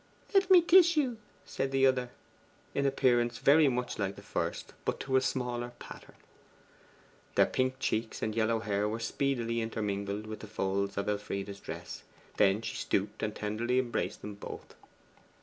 'Let me tiss you,' said the other, in appearance very much like the first, but to a smaller pattern. Their pink cheeks and yellow hair were speedily intermingled with the folds of Elfride's dress; she then stooped and tenderly embraced them both.